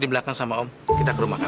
menjatuhkannya jumpir damaging terusan rw